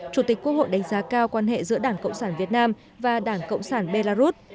chủ tịch quốc hội đánh giá cao quan hệ giữa đảng cộng sản việt nam và đảng cộng sản belarus